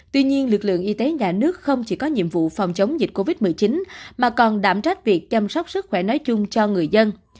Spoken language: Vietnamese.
tuy nhiên lực lượng y tế nhà nước không chỉ có nhiệm vụ phòng chống dịch covid một mươi chín mà còn đảm trách việc chăm sóc sức khỏe nói chung cho người dân